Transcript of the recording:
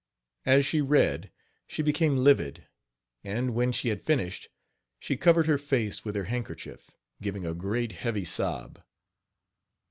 As she read she became livid, and when she had finished she covered her face with her handkerchief, giving a great, heavy sob.